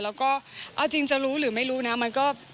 แล้วก็เอาจริงจะรู้หรือไม่รู้นะมันก็